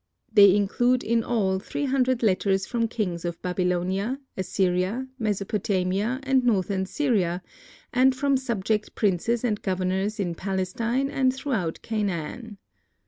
They include in all three hundred letters from kings of Babylonia, Assyria, Mesopotamia and northern Syria, and from subject princes and governors in Palestine and throughout Canaan.